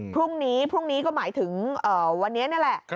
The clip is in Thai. พรุ่งนี้ก็หมายถึงวันนี้นี่แหละ